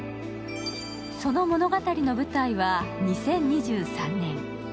その物語の舞台は２０２３年。